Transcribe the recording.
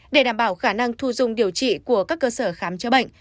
để đảm bảo khả năng thu dung điều trị của các cơ sở khám chữa bệnh